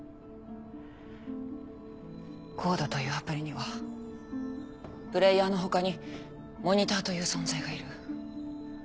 ＣＯＤＥというアプリにはプレイヤーの他にモニターという存在がいる。